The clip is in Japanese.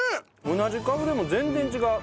同じカブでも全然違う。